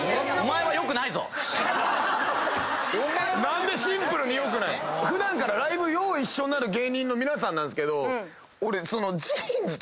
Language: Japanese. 何でシンプルに良くない⁉普段からライブよう一緒になる芸人の皆さんなんですけど俺。